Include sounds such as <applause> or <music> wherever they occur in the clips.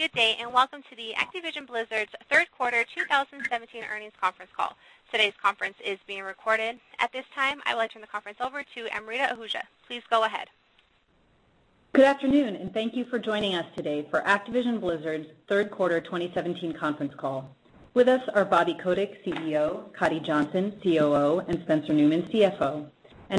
Good day, and welcome to Activision Blizzard's third quarter 2017 earnings conference call. Today's conference is being recorded. At this time, I will turn the conference over to Amrita Ahuja. Please go ahead. Good afternoon, and thank you for joining us today for Activision Blizzard's third quarter 2017 conference call. With us are Bobby Kotick, CEO; Coddy Johnson, COO; and Spencer Neumann, CFO.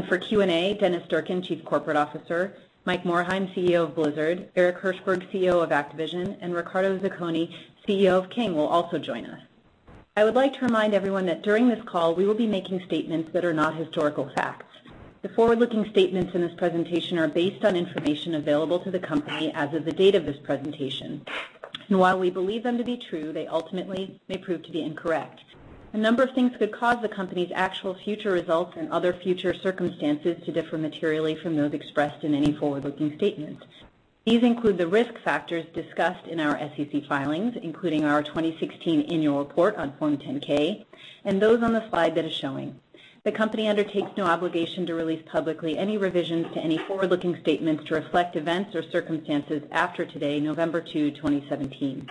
For Q&A, Dennis Durkin, Chief Corporate Officer; Mike Morhaime, CEO of Blizzard; Eric Hirshberg, CEO of Activision; and Riccardo Zacconi, CEO of King, will also join us. I would like to remind everyone that during this call, we will be making statements that are not historical facts. The forward-looking statements in this presentation are based on information available to the company as of the date of this presentation. While we believe them to be true, they ultimately may prove to be incorrect. A number of things could cause the company's actual future results and other future circumstances to differ materially from those expressed in any forward-looking statements. These include the risk factors discussed in our SEC filings, including our 2016 annual report on Form 10-K and those on the slide that is showing. The company undertakes no obligation to release publicly any revisions to any forward-looking statements to reflect events or circumstances after today, November 2, 2017.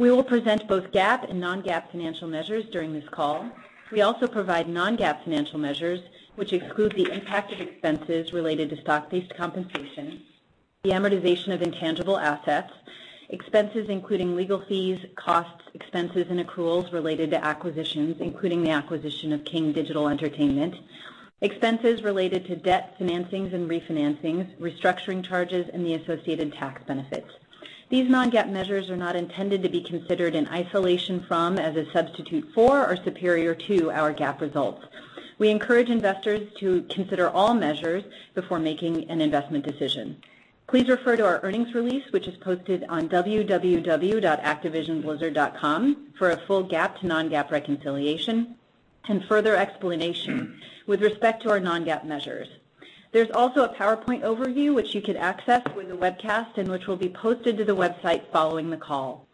We will present both GAAP and non-GAAP financial measures during this call. We also provide non-GAAP financial measures, which exclude the impact of expenses related to stock-based compensation, the amortization of intangible assets, expenses including legal fees, costs, expenses, and accruals related to acquisitions, including the acquisition of King Digital Entertainment, expenses related to debt financings and refinancings, restructuring charges, and the associated tax benefits. These non-GAAP measures are not intended to be considered in isolation from, as a substitute for, or superior to our GAAP results. We encourage investors to consider all measures before making an investment decision. Please refer to our earnings release, which is posted on www.activisionblizzard.com for a full GAAP to non-GAAP reconciliation and further explanation with respect to our non-GAAP measures. There's also a PowerPoint overview, which you can access with the webcast and which will be posted to the website following the call.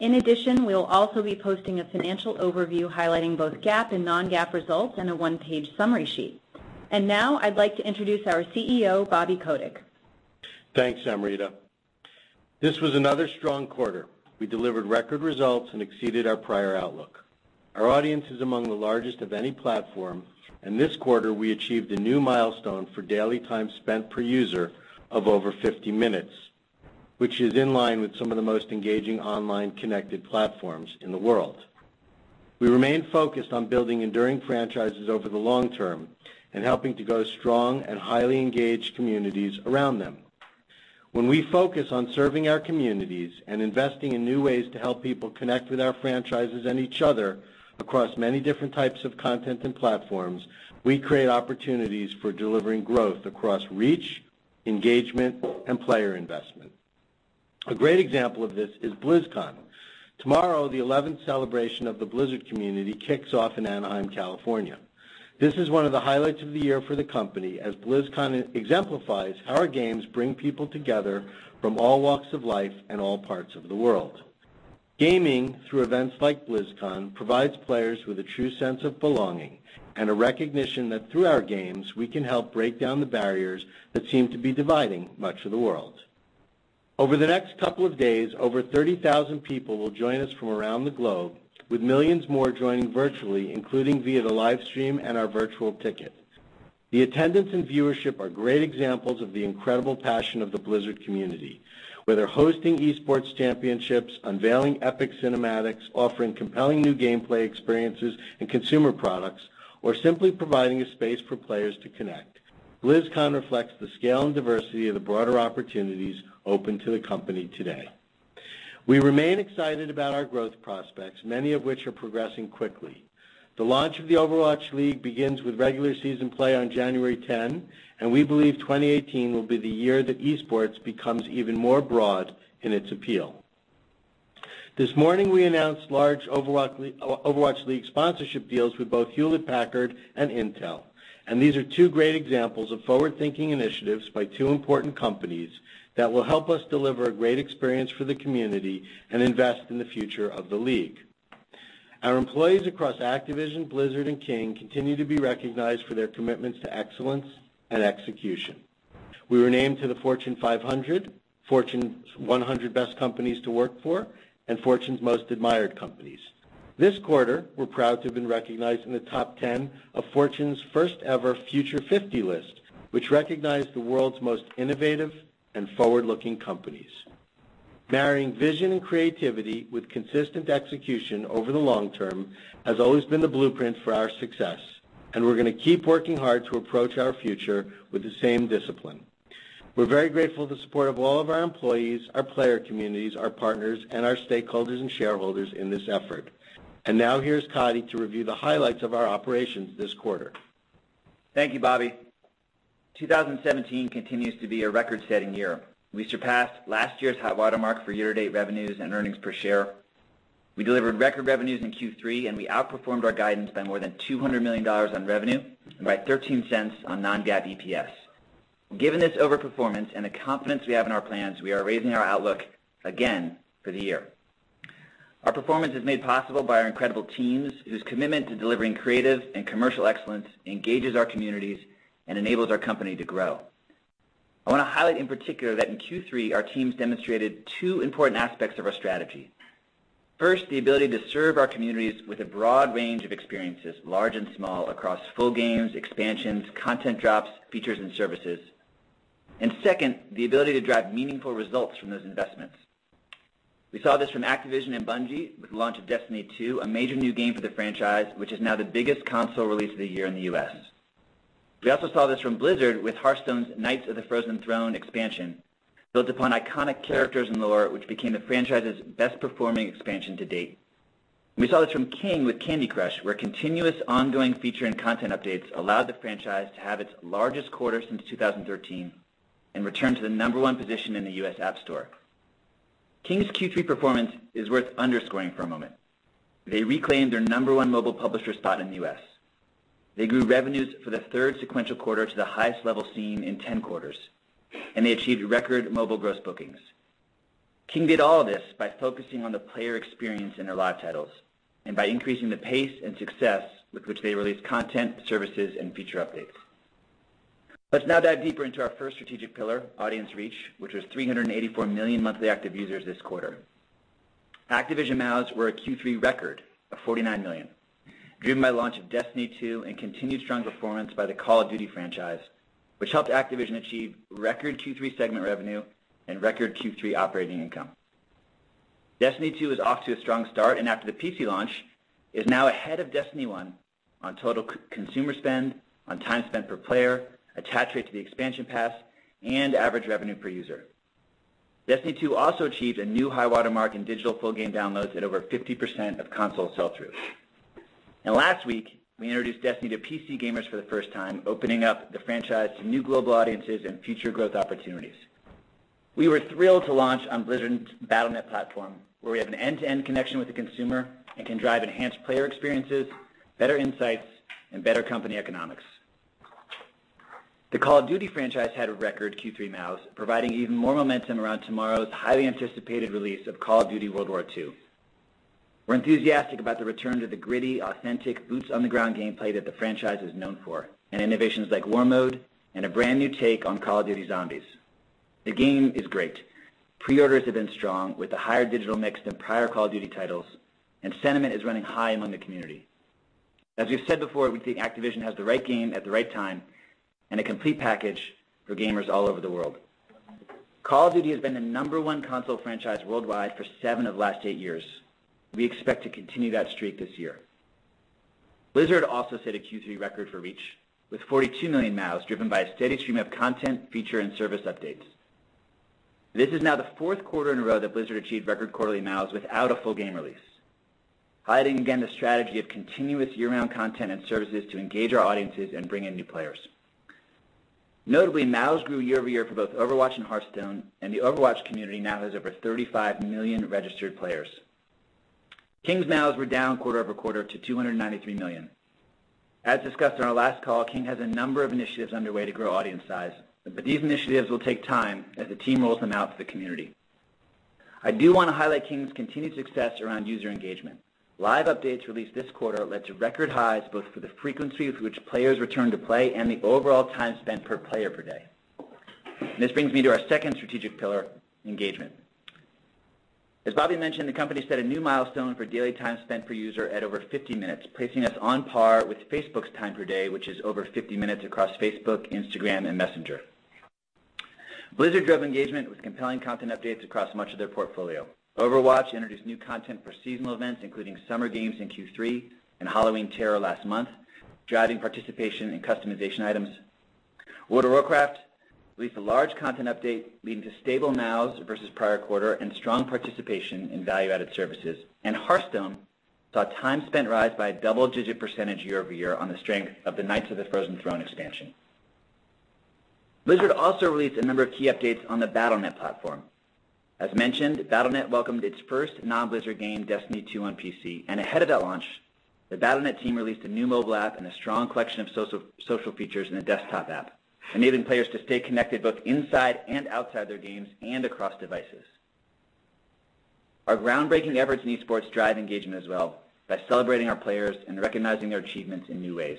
In addition, we'll also be posting a financial overview highlighting both GAAP and non-GAAP results in a one-page summary sheet. Now I'd like to introduce our CEO, Bobby Kotick. Thanks, Amrita. This was another strong quarter. We delivered record results and exceeded our prior outlook. Our audience is among the largest of any platform, and this quarter we achieved a new milestone for daily time spent per user of over 50 minutes, which is in line with some of the most engaging online connected platforms in the world. We remain focused on building enduring franchises over the long term and helping to grow strong and highly engaged communities around them. When we focus on serving our communities and investing in new ways to help people connect with our franchises and each other across many different types of content and platforms, we create opportunities for delivering growth across reach, engagement, and player investment. A great example of this is BlizzCon. Tomorrow, the 11th celebration of the Blizzard community kicks off in Anaheim, California. This is one of the highlights of the year for the company as BlizzCon exemplifies how our games bring people together from all walks of life and all parts of the world. Gaming, through events like BlizzCon, provides players with a true sense of belonging and a recognition that through our games, we can help break down the barriers that seem to be dividing much of the world. Over the next couple of days, over 30,000 people will join us from around the globe, with millions more joining virtually, including via the live stream and our virtual ticket. The attendance and viewership are great examples of the incredible passion of the Blizzard community. Whether hosting esports championships, unveiling epic cinematics, offering compelling new gameplay experiences and consumer products, or simply providing a space for players to connect, BlizzCon reflects the scale and diversity of the broader opportunities open to the company today. We remain excited about our growth prospects, many of which are progressing quickly. The launch of the Overwatch League begins with regular season play on January 10. We believe 2018 will be the year that esports becomes even more broad in its appeal. This morning, we announced large Overwatch League sponsorship deals with both Hewlett-Packard and Intel. These are two great examples of forward-thinking initiatives by two important companies that will help us deliver a great experience for the community and invest in the future of the league. Our employees across Activision, Blizzard, and King continue to be recognized for their commitments to excellence and execution. We were named to the Fortune 500, Fortune 100 Best Companies to Work For, and Fortune's Most Admired Companies. This quarter, we're proud to have been recognized in the top 10 of Fortune's first-ever Future 50 list, which recognized the world's most innovative and forward-looking companies. Marrying vision and creativity with consistent execution over the long term has always been the blueprint for our success. We're going to keep working hard to approach our future with the same discipline. We're very grateful of the support of all of our employees, our player communities, our partners, and our stakeholders and shareholders in this effort. Now here's Coddy to review the highlights of our operations this quarter. Thank you, Bobby. 2017 continues to be a record-setting year. We surpassed last year's high watermark for year-to-date revenues and earnings per share. We delivered record revenues in Q3, we outperformed our guidance by more than $200 million on revenue and by $0.13 on non-GAAP EPS. Given this over-performance and the confidence we have in our plans, we are raising our outlook again for the year. Our performance is made possible by our incredible teams, whose commitment to delivering creative and commercial excellence engages our communities and enables our company to grow. I want to highlight in particular that in Q3, our teams demonstrated two important aspects of our strategy. First, the ability to serve our communities with a broad range of experiences, large and small, across full games, expansions, content drops, features, and services. Second, the ability to drive meaningful results from those investments. We saw this from Activision and Bungie with the launch of Destiny 2, a major new game for the franchise, which is now the biggest console release of the year in the U.S. We also saw this from Blizzard with Hearthstone's Knights of the Frozen Throne expansion, built upon iconic characters and lore, which became the franchise's best-performing expansion to date. We saw this from King with Candy Crush, where continuous ongoing feature and content updates allowed the franchise to have its largest quarter since 2013 and return to the number one position in the U.S. App Store. King's Q3 performance is worth underscoring for a moment. They reclaimed their number one mobile publisher spot in the U.S. They grew revenues for the third sequential quarter to the highest level seen in 10 quarters, they achieved record mobile gross bookings. King did all of this by focusing on the player experience in their live titles and by increasing the pace and success with which they released content, services, and feature updates. Let's now dive deeper into our first strategic pillar, audience reach, which was 384 million monthly active users this quarter. Activision MAUs were a Q3 record of 49 million, driven by launch of Destiny 2 and continued strong performance by the Call of Duty franchise, which helped Activision achieve record Q3 segment revenue and record Q3 operating income. Destiny 2 is off to a strong start, after the PC launch, is now ahead of Destiny 1 on total consumer spend, on time spent per player, attach rate to the expansion pass, and average revenue per user. Destiny 2 also achieved a new high watermark in digital full game downloads at over 50% of console sell-through. Last week, we introduced Destiny to PC gamers for the first time, opening up the franchise to new global audiences and future growth opportunities. We were thrilled to launch on Blizzard's Battle.net platform, where we have an end-to-end connection with the consumer and can drive enhanced player experiences, better insights, and better company economics. The Call of Duty franchise had a record Q3 MAUs, providing even more momentum around tomorrow's highly anticipated release of Call of Duty: WWII. We're enthusiastic about the return to the gritty, authentic, boots-on-the-ground gameplay that the franchise is known for and innovations like War Mode and a brand-new take on Call of Duty: Zombies. The game is great. Pre-orders have been strong, with a higher digital mix than prior Call of Duty titles, sentiment is running high among the community. As we've said before, we think Activision has the right game at the right time and a complete package for gamers all over the world. Call of Duty has been the number one console franchise worldwide for seven of the last eight years. We expect to continue that streak this year. Blizzard also set a Q3 record for reach with 42 million MAUs, driven by a steady stream of content, feature, and service updates. This is now the fourth quarter in a row that Blizzard achieved record quarterly MAUs without a full game release, highlighting again the strategy of continuous year-round content and services to engage our audiences and bring in new players. Notably, MAUs grew year-over-year for both Overwatch and Hearthstone, and the Overwatch community now has over 35 million registered players. King's MAUs were down quarter-over-quarter to 293 million. As discussed on our last call, King has a number of initiatives underway to grow audience size, but these initiatives will take time as the team rolls them out to the community. I do want to highlight King's continued success around user engagement. Live updates released this quarter led to record highs both for the frequency with which players return to play and the overall time spent per player per day. This brings me to our second strategic pillar, engagement. As Bobby mentioned, the company set a new milestone for daily time spent per user at over 50 minutes, placing us on par with Facebook's time per day, which is over 50 minutes across Facebook, Instagram, and Messenger. Blizzard drove engagement with compelling content updates across much of their portfolio. Overwatch introduced new content for seasonal events, including Summer Games in Q3 and Halloween Terror last month, driving participation in customization items. World of Warcraft released a large content update leading to stable MAUs versus prior quarter and strong participation in value-added services. Hearthstone saw time spent rise by a double-digit percentage year-over-year on the strength of the Knights of the Frozen Throne expansion. Blizzard also released a number of key updates on the Battle.net platform. As mentioned, Battle.net welcomed its first non-Blizzard game, Destiny 2, on PC, and ahead of that launch, the Battle.net team released a new mobile app and a strong collection of social features in the desktop app, enabling players to stay connected both inside and outside their games and across devices. Our groundbreaking efforts in esports drive engagement as well by celebrating our players and recognizing their achievements in new ways.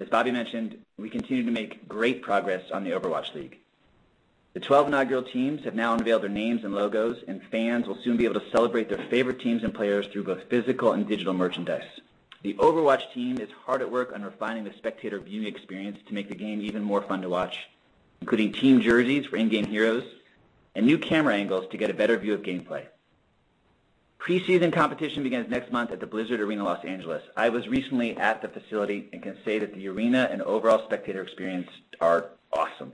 As Bobby mentioned, we continue to make great progress on the Overwatch League. The 12 inaugural teams have now unveiled their names and logos, and fans will soon be able to celebrate their favorite teams and players through both physical and digital merchandise. The Overwatch team is hard at work on refining the spectator viewing experience to make the game even more fun to watch, including team jerseys for in-game heroes and new camera angles to get a better view of gameplay. Pre-season competition begins next month at the Blizzard Arena Los Angeles. I was recently at the facility and can say that the arena and overall spectator experience are awesome.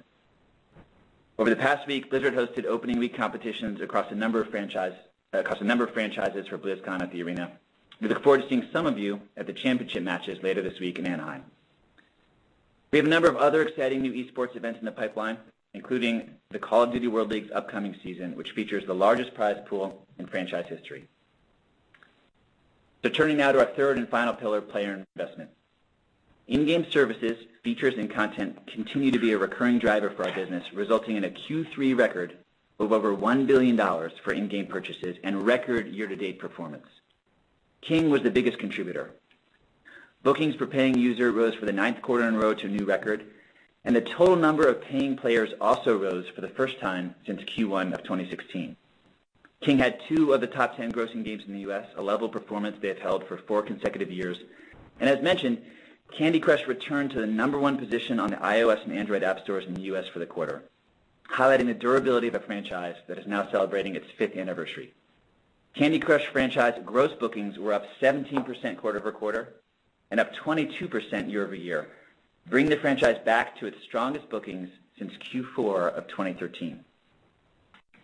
Over the past week, Blizzard hosted opening week competitions across a number of franchises for BlizzCon at the arena. We look forward to seeing some of you at the championship matches later this week in Anaheim. We have a number of other exciting new esports events in the pipeline, including the Call of Duty World League's upcoming season, which features the largest prize pool in franchise history. Turning now to our third and final pillar, player investment. In-game services, features, and content continue to be a recurring driver for our business, resulting in a Q3 record of over $1 billion for in-game purchases and record year-to-date performance. King was the biggest contributor. Bookings per paying user rose for the ninth quarter in a row to a new record, and the total number of paying players also rose for the first time since Q1 of 2016. King had two of the top 10 grossing games in the U.S., a level of performance they have held for four consecutive years. As mentioned, Candy Crush returned to the number 1 position on the iOS App Store and Android app stores in the U.S. for the quarter, highlighting the durability of a franchise that is now celebrating its fifth anniversary. Candy Crush franchise gross bookings were up 17% quarter-over-quarter and up 22% year-over-year, bringing the franchise back to its strongest bookings since Q4 of 2013.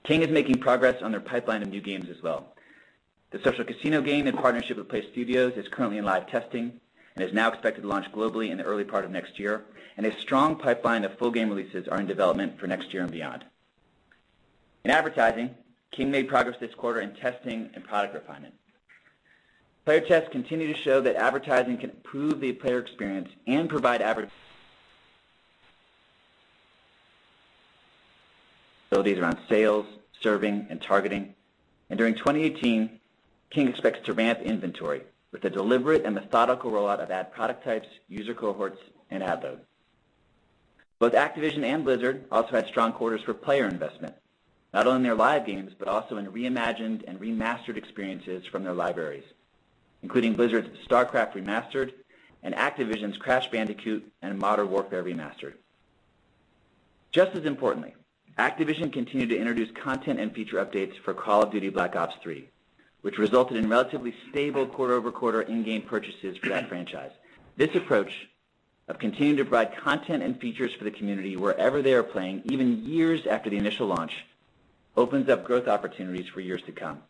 King is making progress on their pipeline of new games as well. The social casino game in partnership with Playstudios is currently in live testing and is now expected to launch globally in the early part of next year, and a strong pipeline of full game releases are in development for next year and beyond. In advertising, King made progress this quarter in testing and product refinement. Player tests continue to show that advertising can improve the player experience and provide <audio distortion> around sales, serving, and targeting. During 2018, King expects to ramp inventory with a deliberate and methodical rollout of ad product types, user cohorts, and ad loads. Both Activision and Blizzard also had strong quarters for player investment, not only in their live games, but also in reimagined and remastered experiences from their libraries, including Blizzard's StarCraft: Remastered and Activision's Crash Bandicoot and Modern Warfare Remastered. Just as importantly, Activision continued to introduce content and feature updates for Call of Duty: Black Ops III, which resulted in relatively stable quarter-over-quarter in-game purchases for that franchise. This approach of continuing to provide content and features for the community wherever they are playing, even years after the initial launch, opens up growth opportunities for years to come.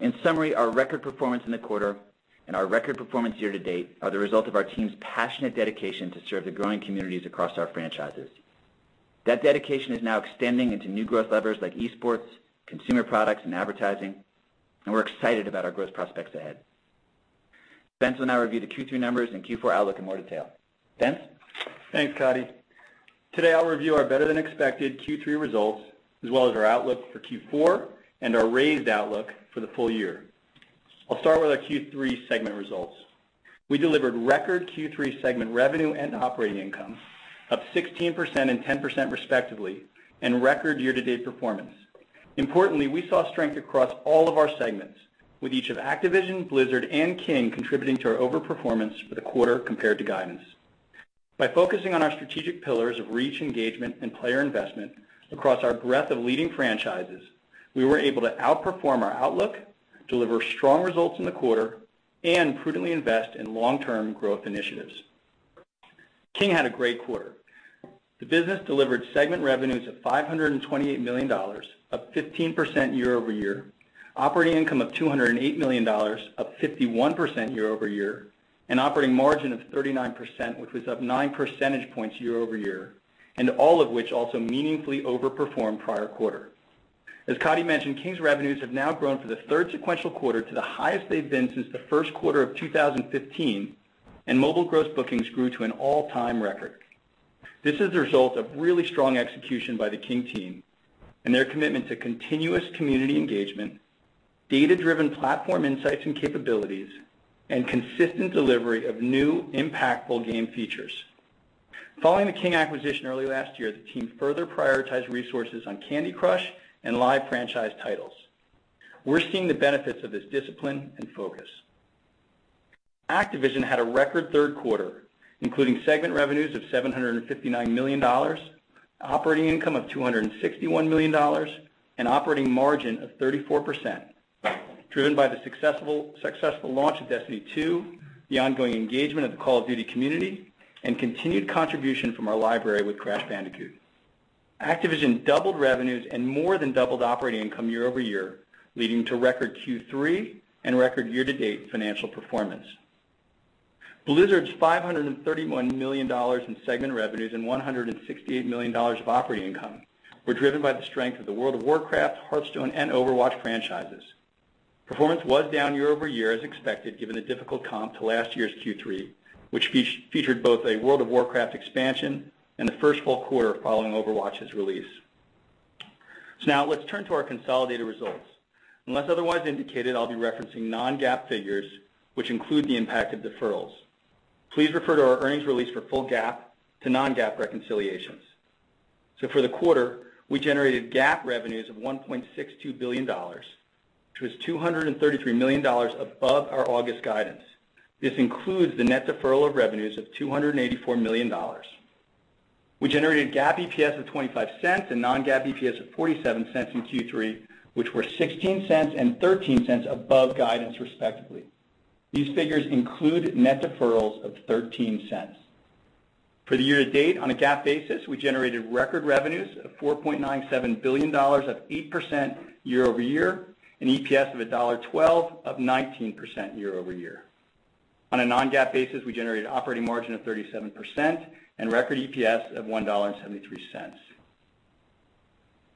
In summary, our record performance in the quarter and our record performance year-to-date are the result of our team's passionate dedication to serve the growing communities across our franchises. That dedication is now extending into new growth levers like esports, consumer products, and advertising, and we're excited about our growth prospects ahead. Spencer will now review the Q3 numbers and Q4 outlook in more detail. Spencer? Thanks, Coddy. Today, I'll review our better-than-expected Q3 results, as well as our outlook for Q4 and our raised outlook for the full year. I'll start with our Q3 segment results. We delivered record Q3 segment revenue and operating income up 16% and 10% respectively, and record year-to-date performance. Importantly, we saw strength across all of our segments, with each of Activision, Blizzard, and King contributing to our over-performance for the quarter compared to guidance. By focusing on our strategic pillars of reach, engagement, and player investment across our breadth of leading franchises, we were able to outperform our outlook, deliver strong results in the quarter, and prudently invest in long-term growth initiatives. King had a great quarter. The business delivered segment revenues of $528 million, up 15% year-over-year, operating income of $208 million, up 51% year-over-year, an operating margin of 39%, which was up nine percentage points year-over-year, and all of which also meaningfully overperformed prior quarter. As Coddy mentioned, King's revenues have now grown for the third sequential quarter to the highest they've been since the first quarter of 2015, and mobile gross bookings grew to an all-time record. This is a result of really strong execution by the King team and their commitment to continuous community engagement, data-driven platform insights and capabilities, and consistent delivery of new, impactful game features. Following the King acquisition early last year, the team further prioritized resources on Candy Crush and live franchise titles. We're seeing the benefits of this discipline and focus. Activision had a record third quarter, including segment revenues of $759 million, operating income of $261 million, and operating margin of 34%, driven by the successful launch of Destiny 2, the ongoing engagement of the Call of Duty community, and continued contribution from our library with Crash Bandicoot. Activision doubled revenues and more than doubled operating income year-over-year, leading to record Q3 and record year-to-date financial performance. Blizzard's $531 million in segment revenues and $168 million of operating income were driven by the strength of the World of Warcraft, Hearthstone, and Overwatch franchises. Performance was down year-over-year as expected, given the difficult comp to last year's Q3, which featured both a World of Warcraft expansion and the first full quarter following Overwatch's release. Now let's turn to our consolidated results. Unless otherwise indicated, I'll be referencing non-GAAP figures, which include the impact of deferrals. Please refer to our earnings release for full GAAP to non-GAAP reconciliations. For the quarter, we generated GAAP revenues of $1.62 billion, which was $233 million above our August guidance. This includes the net deferral of revenues of $284 million. We generated GAAP EPS of $0.25 and non-GAAP EPS of $0.47 in Q3, which were $0.16 and $0.13 above guidance, respectively. These figures include net deferrals of $0.13. For the year-to-date on a GAAP basis, we generated record revenues of $4.97 billion, up 8% year-over-year, and EPS of $1.12, up 19% year-over-year. On a non-GAAP basis, we generated operating margin of 37% and record EPS of $1.73.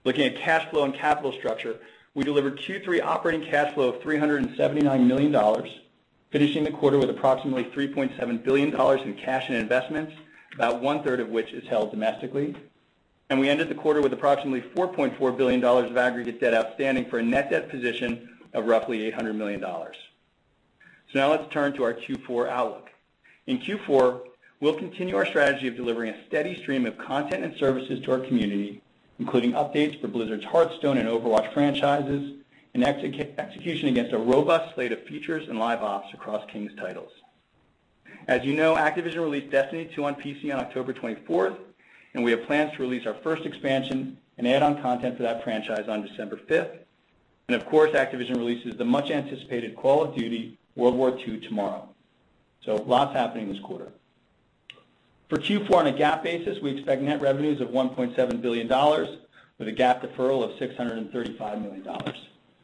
Looking at cash flow and capital structure, we delivered Q3 operating cash flow of $379 million, finishing the quarter with approximately $3.7 billion in cash and investments, about one-third of which is held domestically. We ended the quarter with approximately $4.4 billion of aggregate debt outstanding for a net debt position of roughly $800 million. Let's turn to our Q4 outlook. In Q4, we'll continue our strategy of delivering a steady stream of content and services to our community, including updates for Blizzard's Hearthstone and Overwatch franchises, and execution against a robust slate of features and live ops across King's titles. As you know, Activision released Destiny 2 on PC on October 24th, and we have plans to release our first expansion in add-on content for that franchise on December 5th. Of course, Activision releases the much-anticipated Call of Duty: WWII tomorrow. Lots happening this quarter. For Q4 on a GAAP basis, we expect net revenues of $1.7 billion with a GAAP deferral of $635 million.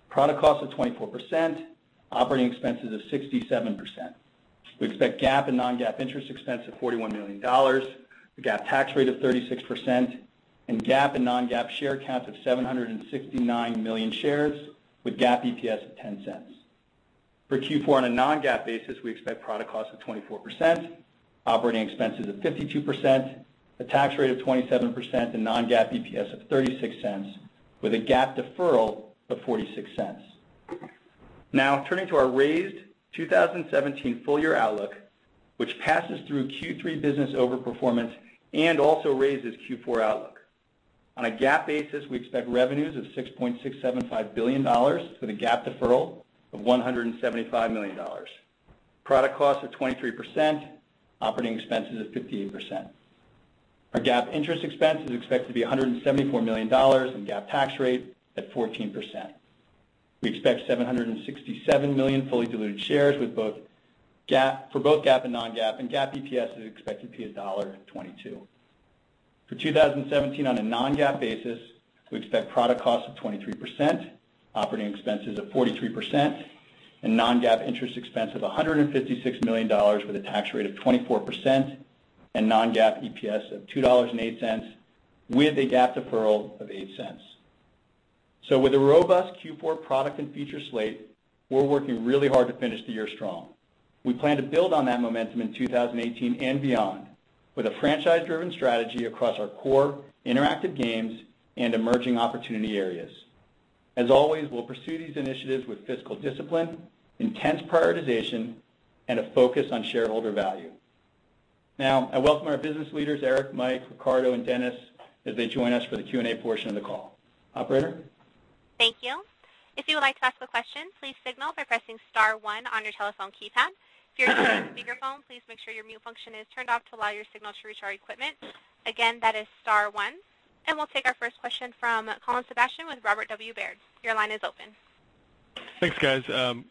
Product cost of 24%, operating expenses of 67%. We expect GAAP and non-GAAP interest expense of $41 million, a GAAP tax rate of 36%, and GAAP and non-GAAP share count of 769 million shares with GAAP EPS of $0.10. For Q4 on a non-GAAP basis, we expect product cost of 24%, operating expenses of 52%, a tax rate of 27%, and non-GAAP EPS of $0.36, with a GAAP deferral of $0.46. Now, turning to our raised 2017 full-year outlook, which passes through Q3 business over performance and also raises Q4 outlook. On a GAAP basis, we expect revenues of $6.675 billion with a GAAP deferral of $175 million. Product cost of 23%, operating expenses of 15%. Our GAAP interest expense is expected to be $174 million, and GAAP tax rate at 14%. We expect 767 million fully diluted shares for both GAAP and non-GAAP, and GAAP EPS is expected to be $1.22. For 2017 on a non-GAAP basis, we expect product cost of 23%, operating expenses of 43%, and non-GAAP interest expense of $156 million with a tax rate of 24%, and non-GAAP EPS of $2.08 with a GAAP deferral of $0.8. With a robust Q4 product and feature slate, we're working really hard to finish the year strong. We plan to build on that momentum in 2018 and beyond with a franchise-driven strategy across our core interactive games and emerging opportunity areas. As always, we'll pursue these initiatives with fiscal discipline, intense prioritization, and a focus on shareholder value. Now, I welcome our business leaders, Eric, Mike, Riccardo, and Dennis, as they join us for the Q&A portion of the call. Operator? Thank you. If you would like to ask a question, please signal by pressing star one on your telephone keypad. If you're using speakerphone, please make sure your mute function is turned off to allow your signal to reach our equipment. Again, that is star one. We'll take our first question from Colin Sebastian with Robert W. Baird. Your line is open. Thanks, guys.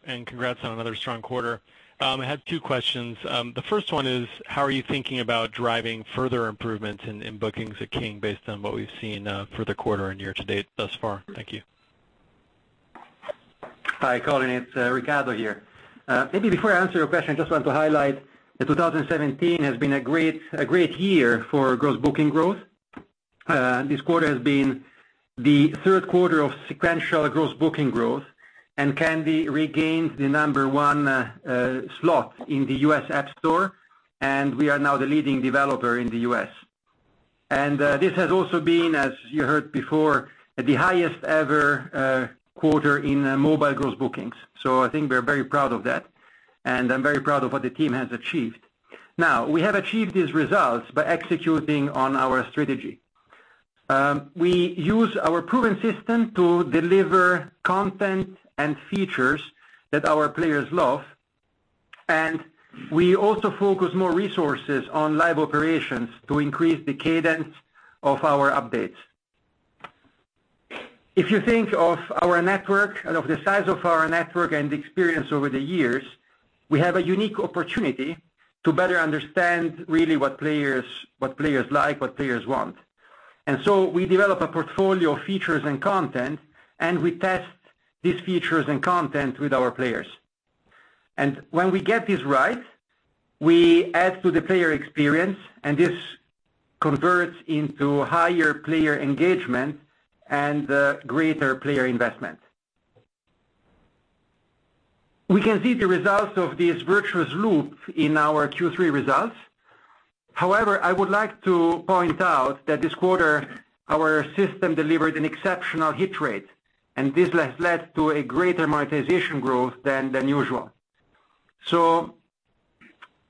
Congrats on another strong quarter. I had two questions. The first one is, how are you thinking about driving further improvements in bookings at King based on what we've seen for the quarter and year to date thus far? Thank you. Hi, Colin. It's Riccardo here. Maybe before I answer your question, I just want to highlight that 2017 has been a great year for gross booking growth. This quarter has been the third quarter of sequential gross booking growth. Candy regained the number one slot in the U.S. App Store, and we are now the leading developer in the U.S. This has also been, as you heard before, the highest ever quarter in mobile gross bookings. I think we're very proud of that, and I'm very proud of what the team has achieved. Now, we have achieved these results by executing on our strategy. We use our proven system to deliver content and features that our players love, and we also focus more resources on live operations to increase the cadence of our updates. If you think of our network and of the size of our network and experience over the years, we have a unique opportunity to better understand really what players like, what players want. We develop a portfolio of features and content, and we test these features and content with our players. When we get this right, we add to the player experience, and this converts into higher player engagement and greater player investment. We can see the results of this virtuous loop in our Q3 results. However, I would like to point out that this quarter, our system delivered an exceptional hit rate, and this has led to a greater monetization growth than usual.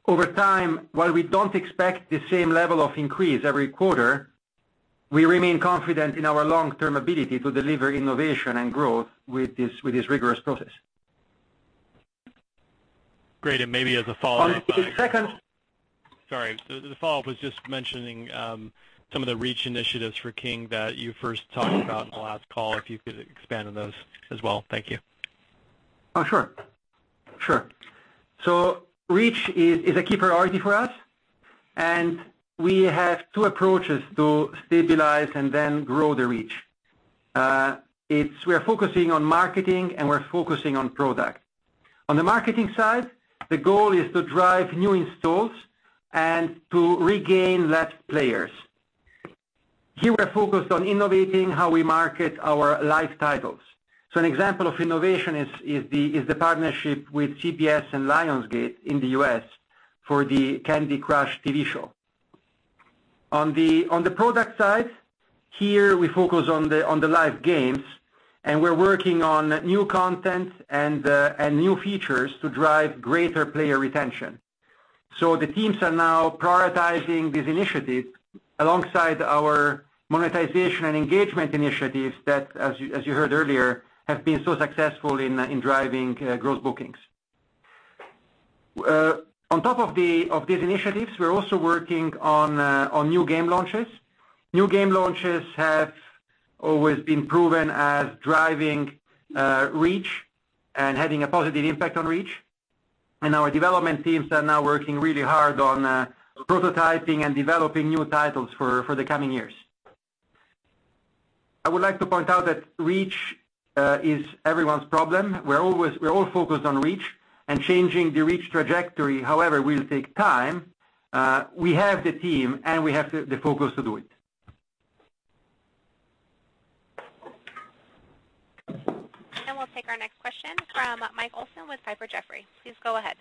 Over time, while we don't expect the same level of increase every quarter, we remain confident in our long-term ability to deliver innovation and growth with this rigorous process. Great. Maybe as a follow-up. One second. Sorry. The follow-up was just mentioning some of the reach initiatives for King that you first talked about on the last call, if you could expand on those as well. Thank you. Sure. Reach is a key priority for us, and we have two approaches to stabilize and then grow the reach. We are focusing on marketing, and we're focusing on product. On the marketing side, the goal is to drive new installs and to regain left players. Here we are focused on innovating how we market our live titles. An example of innovation is the partnership with CBS and Lionsgate in the U.S. for the "Candy Crush" TV show. On the product side, here we focus on the live games, and we're working on new content and new features to drive greater player retention. The teams are now prioritizing these initiatives alongside our monetization and engagement initiatives that, as you heard earlier, have been so successful in driving gross bookings. On top of these initiatives, we're also working on new game launches. New game launches have always been proven as driving reach and having a positive impact on reach. Our development teams are now working really hard on prototyping and developing new titles for the coming years. I would like to point out that reach is everyone's problem. We're all focused on reach, and changing the reach trajectory, however, will take time. We have the team, and we have the focus to do it. We'll take our next question from Michael Olson with Piper Jaffray. Please go ahead.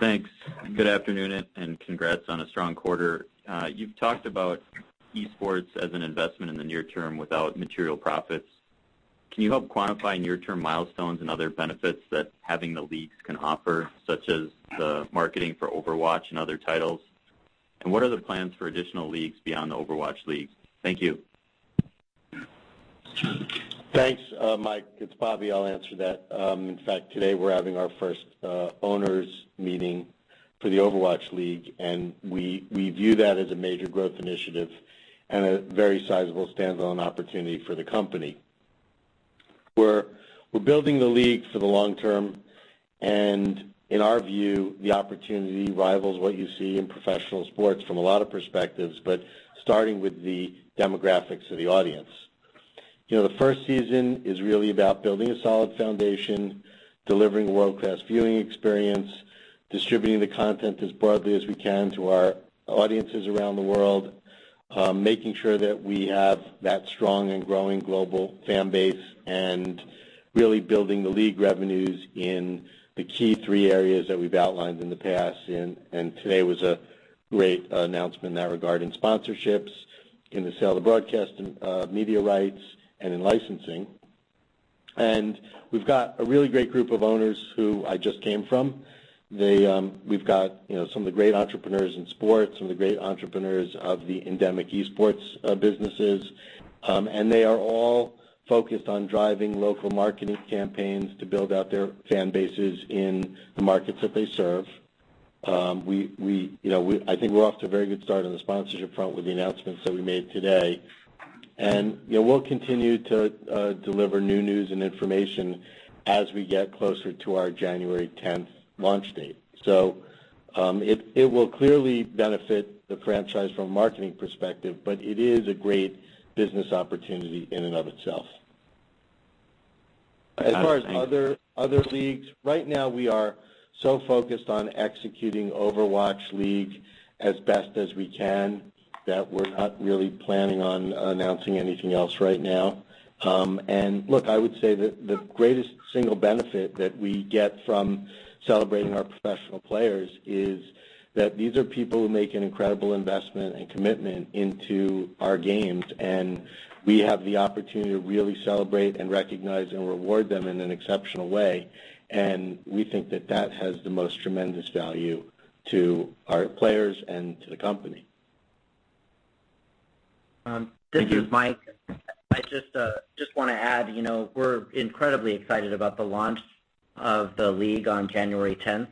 Thanks. Good afternoon, and congrats on a strong quarter. You've talked about esports as an investment in the near term without material profits. Can you help quantify near-term milestones and other benefits that having the leagues can offer, such as the marketing for Overwatch and other titles? What are the plans for additional leagues beyond the Overwatch League? Thank you. Thanks, Mike. It's Bobby. I'll answer that. In fact, today we're having our first owners meeting for the Overwatch League, we view that as a major growth initiative and a very sizable standalone opportunity for the company. We're building the league for the long term, in our view, the opportunity rivals what you see in professional sports from a lot of perspectives, but starting with the demographics of the audience. The first season is really about building a solid foundation, delivering a world-class viewing experience, distributing the content as broadly as we can to our audiences around the world, making sure that we have that strong and growing global fan base, really building the league revenues in the key three areas that we've outlined in the past. Today was a great announcement in that regard in sponsorships, in the sale of broadcast and media rights, and in licensing. We've got a really great group of owners who I just came from. We've got some of the great entrepreneurs in sports, some of the great entrepreneurs of the endemic esports businesses. They are all focused on driving local marketing campaigns to build out their fan bases in the markets that they serve. I think we're off to a very good start on the sponsorship front with the announcements that we made today. We'll continue to deliver new news and information as we get closer to our January 10th launch date. It will clearly benefit the franchise from a marketing perspective, but it is a great business opportunity in and of itself. As far as other leagues, right now we are so focused on executing Overwatch League as best as we can that we're not really planning on announcing anything else right now. Look, I would say that the greatest single benefit that we get from celebrating our professional players is that these are people who make an incredible investment and commitment into our games, and we have the opportunity to really celebrate and recognize and reward them in an exceptional way. We think that that has the most tremendous value to our players and to the company. This is Mike. I just want to add, we're incredibly excited about the launch of the league on January 10th.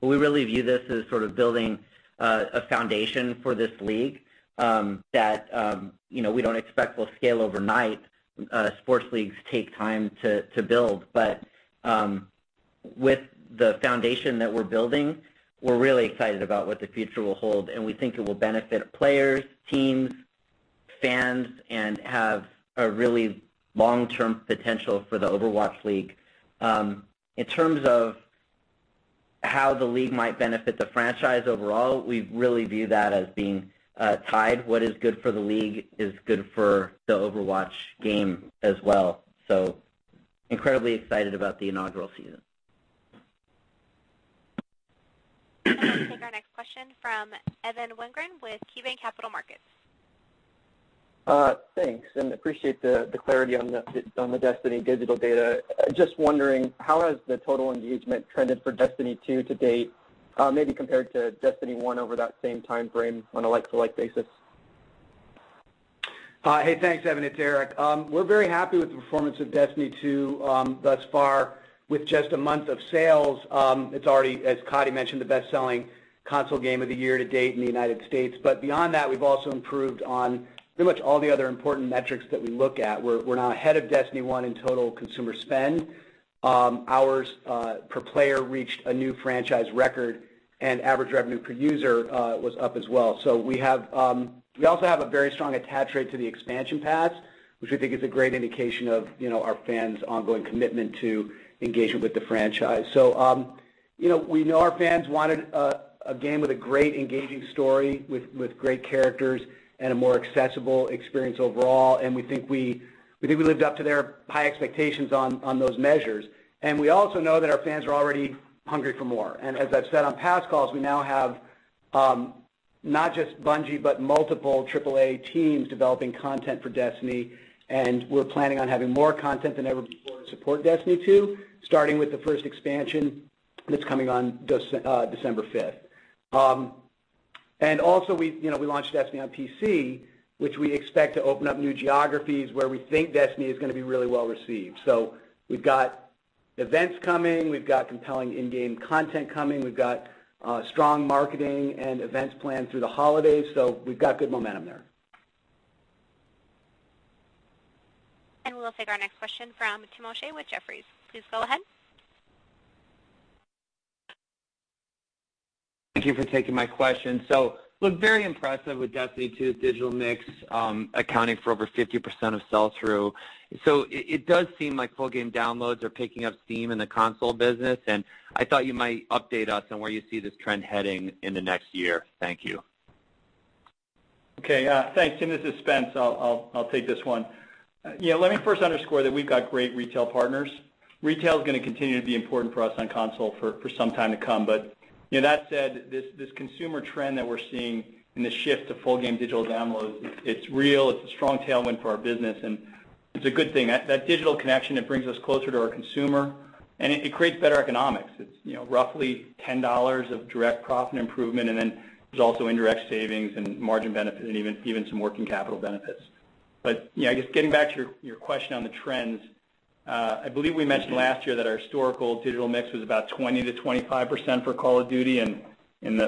We really view this as sort of building a foundation for this league that we don't expect will scale overnight. Sports leagues take time to build, but with the foundation that we're building, we're really excited about what the future will hold, and we think it will benefit players, teams, fans, and have a really long-term potential for the Overwatch League. In terms of how the league might benefit the franchise overall, we really view that as being tied. What is good for the league is good for the Overwatch game as well. Incredibly excited about the inaugural season. We'll take our next question from Evan Wingren with KeyBanc Capital Markets. Thanks. Appreciate the clarity on the Destiny digital data. Just wondering, how has the total engagement trended for Destiny 2 to date, maybe compared to Destiny 1 over that same time frame on a like-to-like basis? Hey, thanks, Evan. It is Eric. We are very happy with the performance of Destiny 2 thus far. With just a month of sales, it is already, as Bobby mentioned, the best-selling console game of the year to date in the U.S. Beyond that, we have also improved on pretty much all the other important metrics that we look at. We are now ahead of Destiny 1 in total consumer spend. Hours per player reached a new franchise record, and average revenue per user was up as well. We also have a very strong attach rate to the expansion pass, which we think is a great indication of our fans' ongoing commitment to engagement with the franchise. We know our fans wanted a game with a great engaging story, with great characters, and a more accessible experience overall. We think we lived up to their high expectations on those measures. We also know that our fans are already hungry for more. As I have said on past calls, we now have not just Bungie, but multiple triple A teams developing content for Destiny. We are planning on having more content than ever before to support Destiny 2, starting with the first expansion that is coming on December 5th. Also, we launched Destiny on PC, which we expect to open up new geographies where we think Destiny is going to be really well-received. We have got events coming, we have got compelling in-game content coming, we have got strong marketing and events planned through the holidays. We have got good momentum there. We will take our next question from Timothy O'Shea with Jefferies. Please go ahead. Thank you for taking my question. Looked very impressive with Destiny 2's digital mix accounting for over 50% of sell-through. It does seem like full game downloads are picking up steam in the console business, and I thought you might update us on where you see this trend heading in the next year. Thank you. Okay. Thanks. Tim, this is Spence. I'll take this one. Let me first underscore that we've got great retail partners. Retail's going to continue to be important for us on console for some time to come. That said, this consumer trend that we're seeing in the shift to full game digital downloads, it's real, it's a strong tailwind for our business, and it's a good thing. That digital connection, it brings us closer to our consumer, and it creates better economics. It's roughly $10 of direct profit improvement, and then there's also indirect savings and margin benefit, and even some working capital benefits. Just getting back to your question on the trends, I believe we mentioned last year that our historical digital mix was about 20%-25% for Call of Duty and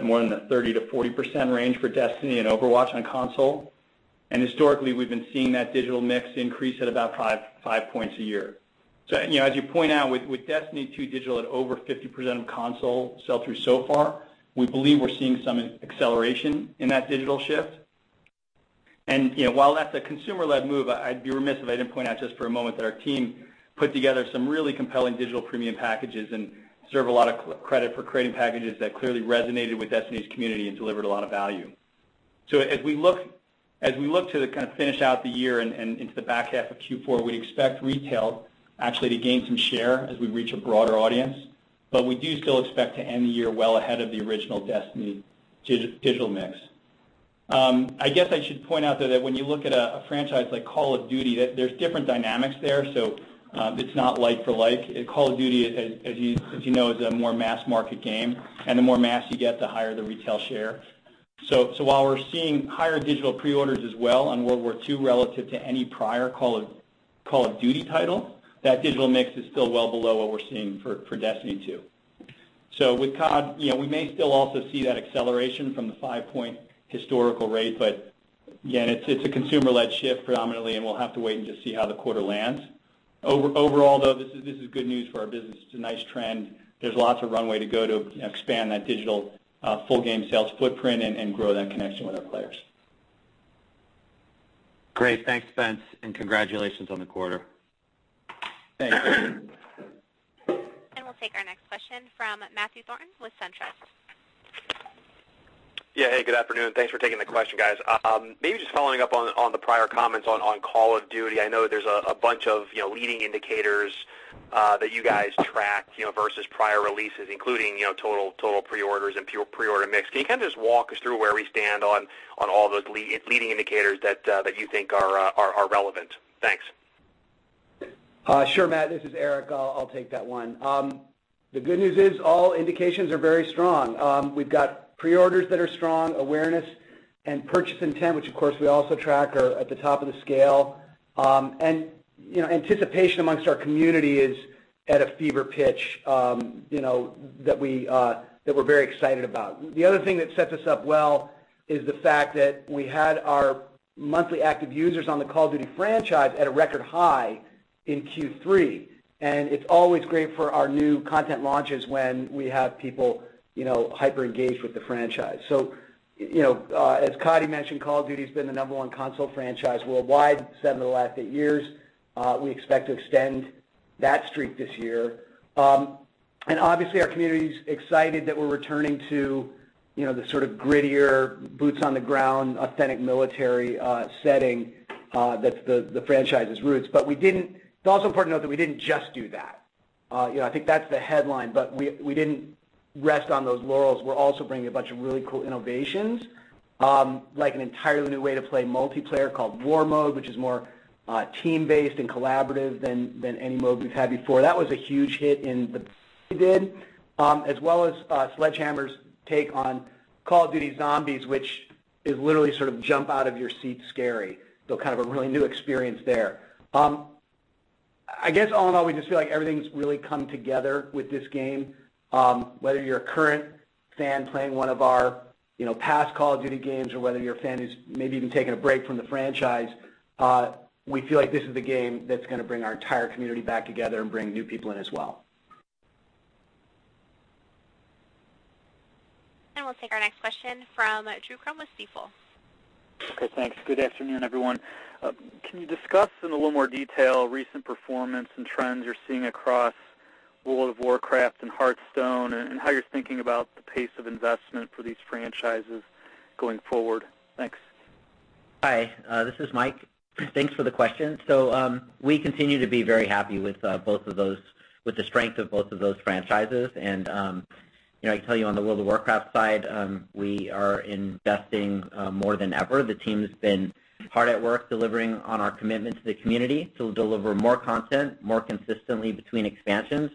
more in the 30%-40% range for Destiny and Overwatch on console. Historically, we've been seeing that digital mix increase at about 5 points a year. As you point out, with Destiny 2 digital at over 50% of console sell-through so far, we believe we're seeing some acceleration in that digital shift. While that's a consumer-led move, I'd be remiss if I didn't point out just for a moment that our team put together some really compelling digital premium packages and deserve a lot of credit for creating packages that clearly resonated with Destiny's community and delivered a lot of value. As we look to the kind of finish out the year and into the back half of Q4, we expect retail actually to gain some share as we reach a broader audience. We do still expect to end the year well ahead of the original Destiny digital mix. I guess I should point out, though, that when you look at a franchise like Call of Duty, that there's different dynamics there, so it's not like for like. Call of Duty, as you know, is a more mass market game, and the more mass you get, the higher the retail share. While we're seeing higher digital pre-orders as well on World War II relative to any prior Call of Duty title, that digital mix is still well below what we're seeing for Destiny 2. With CoD, we may still also see that acceleration from the 5-point historical rate, again, it's a consumer-led shift predominantly, and we'll have to wait and just see how the quarter lands. Overall, though, this is good news for our business. It's a nice trend. There's lots of runway to go to expand that digital full game sales footprint and grow that connection with our players. Great. Thanks, Spence, congratulations on the quarter. Thanks. We'll take our next question from Matthew Thornton with SunTrust. Yeah. Hey, good afternoon. Thanks for taking the question, guys. Maybe just following up on the prior comments on Call of Duty. I know there's a bunch of leading indicators that you guys track versus prior releases, including total pre-orders and pre-order mix. Can you kind of just walk us through where we stand on all those leading indicators that you think are relevant? Thanks. Sure, Matt. This is Eric. I'll take that one. The good news is all indications are very strong. We've got pre-orders that are strong, awareness and purchase intent, which of course we also track, are at the top of the scale. Anticipation amongst our community is at a fever pitch that we're very excited about. The other thing that sets us up well is the fact that we had our MAUs on the Call of Duty franchise at a record high in Q3. It's always great for our new content launches when we have people hyper-engaged with the franchise. As Coddy mentioned, Call of Duty's been the number one console franchise worldwide seven of the last eight years. We expect to extend that streak this year. Obviously, our community's excited that we're returning to the sort of grittier, boots on the ground, authentic military setting that's the franchise's roots. It's also important to note that we didn't just do that. I think that's the headline. We didn't rest on those laurels. We're also bringing a bunch of really cool innovations, like an entirely new way to play multiplayer called War Mode, which is more team-based and collaborative than any mode we've had before. That was a huge hit in the beta we did, as well as Sledgehammer's take on Call of Duty: Zombies, which is literally sort of jump out of your seat scary. Kind of a really new experience there. I guess all in all, we just feel like everything's really come together with this game. Whether you're a current fan playing one of our past Call of Duty games or whether you're a fan who's maybe even taken a break from the franchise, we feel like this is the game that's going to bring our entire community back together and bring new people in as well. We'll take our next question from Drew Crum with Stifel. Okay, thanks. Good afternoon, everyone. Can you discuss in a little more detail recent performance and trends you're seeing across World of Warcraft and Hearthstone, and how you're thinking about the pace of investment for these franchises going forward? Thanks. Hi, this is Mike. Thanks for the question. We continue to be very happy with the strength of both of those franchises. I can tell you on the World of Warcraft side, we are investing more than ever. The team's been hard at work delivering on our commitment to the community to deliver more content, more consistently between expansions.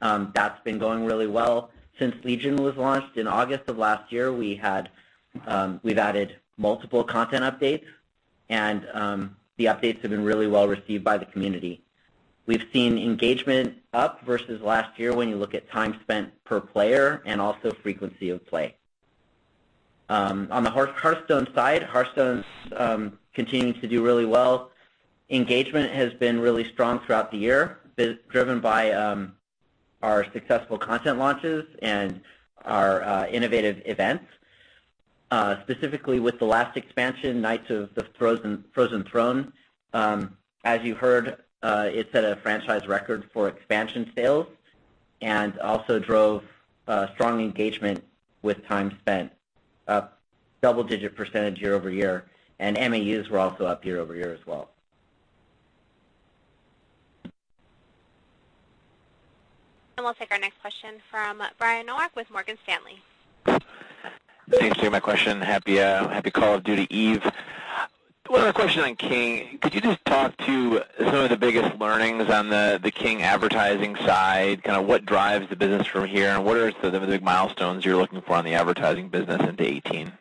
That's been going really well. Since Legion was launched in August of last year, we've added multiple content updates, and the updates have been really well received by the community. We've seen engagement up versus last year when you look at time spent per player and also frequency of play. On the Hearthstone side, Hearthstone's continuing to do really well. Engagement has been really strong throughout the year. Been driven by our successful content launches and our innovative events. Specifically, with the last expansion, Knights of the Frozen Throne. As you heard, it set a franchise record for expansion sales and also drove strong engagement with time spent up double-digit percentage year-over-year, and MAUs were also up year-over-year as well. We'll take our next question from Brian Nowak with Morgan Stanley. Thanks for taking my question. Happy Call of Duty eve. One other question on King. Could you just talk to some of the biggest learnings on the King advertising side, kind of what drives the business from here, and what are some of the big milestones you're looking for on the advertising business into 2018?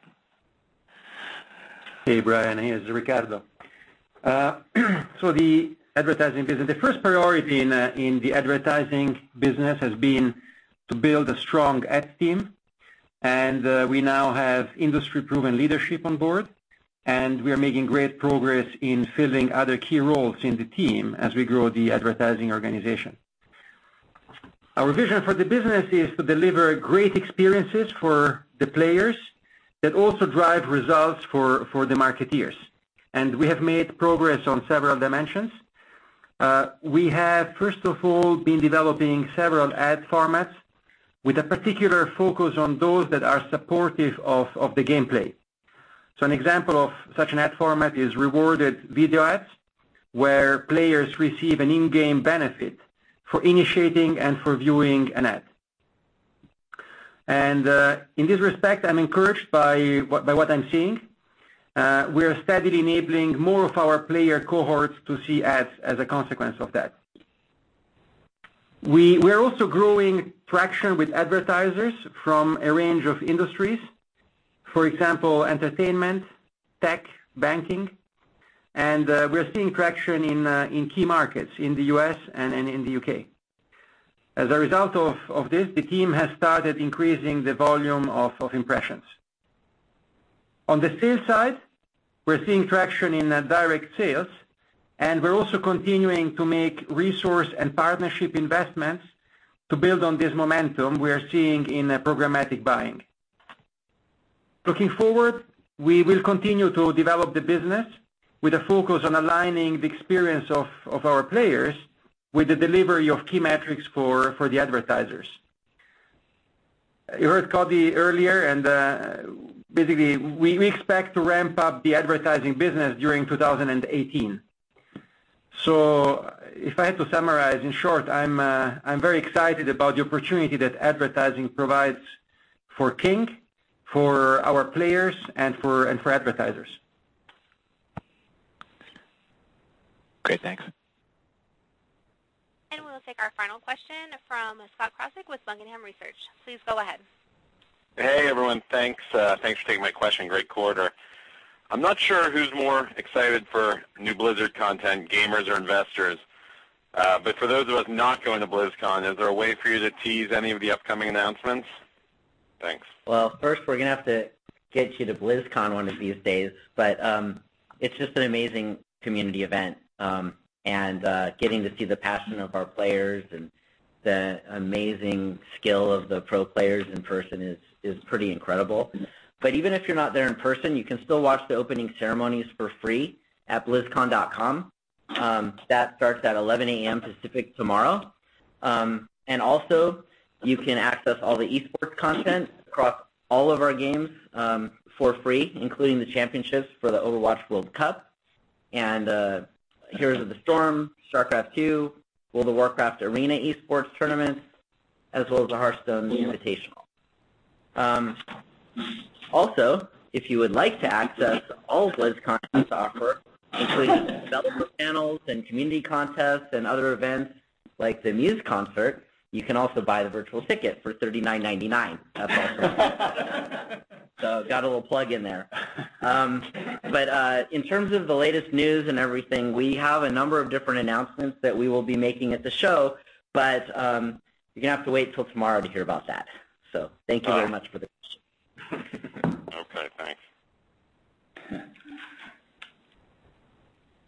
Hey, Brian. Hey, this is Riccardo. The advertising business. The first priority in the advertising business has been to build a strong ads team, and we now have industry-proven leadership on board, and we are making great progress in filling other key roles in the team as we grow the advertising organization. Our vision for the business is to deliver great experiences for the players that also drive results for the marketeers. We have made progress on several dimensions. We have, first of all, been developing several ad formats with a particular focus on those that are supportive of the gameplay. An example of such an ad format is rewarded video ads, where players receive an in-game benefit for initiating and for viewing an ad. In this respect, I'm encouraged by what I'm seeing. We are steadily enabling more of our player cohorts to see ads as a consequence of that. We're also growing traction with advertisers from a range of industries. For example, entertainment, tech, banking. We're seeing traction in key markets in the U.S. and in the U.K. As a result of this, the team has started increasing the volume of impressions. On the sales side, we're seeing traction in direct sales, and we're also continuing to make resource and partnership investments to build on this momentum we are seeing in programmatic buying. Looking forward, we will continue to develop the business with a focus on aligning the experience of our players with the delivery of key metrics for the advertisers. You heard Coddy earlier, basically, we expect to ramp up the advertising business during 2018. If I had to summarize, in short, I'm very excited about the opportunity that advertising provides for King, for our players, and for advertisers. Great. Thanks. We'll take our final question from Scott Crossick with Buckingham Research. Please go ahead. Hey, everyone. Thanks for taking my question. Great quarter. I'm not sure who's more excited for new Blizzard content, gamers or investors. For those of us not going to BlizzCon, is there a way for you to tease any of the upcoming announcements? Thanks. Well, first, we're going to have to get you to BlizzCon one of these days. It's just an amazing community event. Getting to see the passion of our players and the amazing skill of the pro players in person is pretty incredible. Even if you're not there in person, you can still watch the opening ceremonies for free at blizzcon.com. That starts at 11:00 A.M. Pacific tomorrow. Also, you can access all the esports content across all of our games for free, including the championships for the Overwatch World Cup, Heroes of the Storm, StarCraft II, World of Warcraft Arena esports tournaments, as well as the Hearthstone Invitational. Also, if you would like to access all BlizzCon has to offer, including developer panels and community contests and other events like the Muse concert, you can also buy the virtual ticket for $39.99 at BlizzCon. Got a little plug in there. In terms of the latest news and everything, we have a number of different announcements that we will be making at the show. You're going to have to wait till tomorrow to hear about that. Thank you very much for the question. Okay, thanks.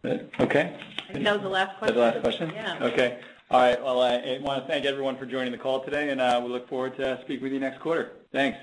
Good. Okay. I think that was the last question. That was the last question? Yeah. Okay. All right. Well, I want to thank everyone for joining the call today, and we look forward to speaking with you next quarter. Thanks.